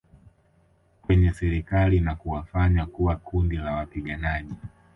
kwenye Serikali na kuwafanya kuwa kundi la wapiganaji